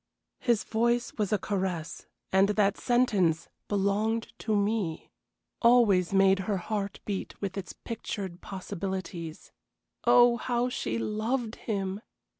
His voice was a caress, and that sentence, "belonged to me," always made her heart beat with its pictured possibilities. Oh, how she loved him!